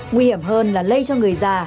nguy hiểm hơn là lây cho người già